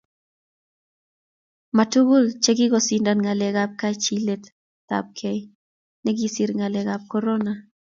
ma tugul che kikosindan ngalek ab kachilet ab gee ne kisir ngalek ab korona